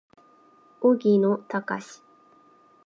荻野貴司